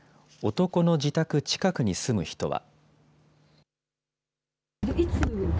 男の自宅近くに住む人は。